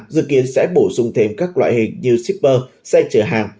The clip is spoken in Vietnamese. dự kiến sẽ bổ sung thêm các loại hình như shipper xe chở hàng